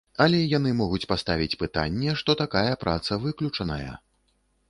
Але яны могуць паставіць пытанне, што такая праца выключаная.